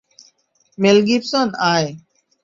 Mail Gibson, আয়!